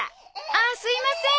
ああすいませーん。